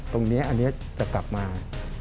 ตรงนี้อันนี้จะกลับมา